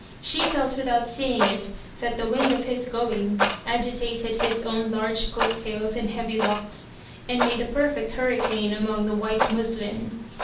She felt without see ing it that the "wind of his going" agitated his own large coat tails and heavy locks, and made a perfect hurricane among the white muslin.